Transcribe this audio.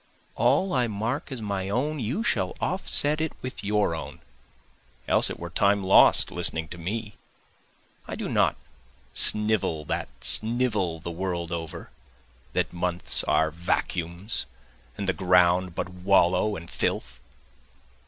All I mark as my own you shall offset it with your own, Else it were time lost listening to me. I do not snivel that snivel the world over, That months are vacuums and the ground but wallow and filth.